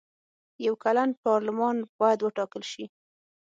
یو کلن پارلمان باید وټاکل شي.